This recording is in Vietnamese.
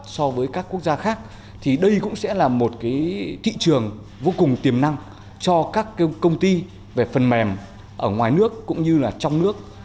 so với các quốc gia khác thì đây cũng sẽ là một thị trường vô cùng tiềm năng cho các công ty về phần mềm ở ngoài nước cũng như là trong nước